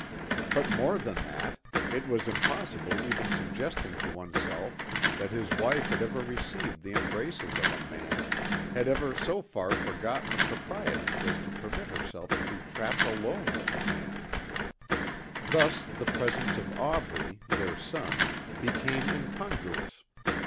But more than that, it was impossible even suggesting to oneself that his wife had ever received the embraces of a man, had ever so far forgotten the proprieties as to permit herself to be trapped alone with a man. Thus the presence of Aubrey, their son, became incongruous.